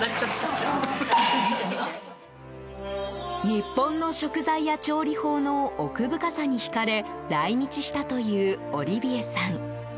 日本の食材や調理法の奥深さに引かれ来日したというオリヴィエさん。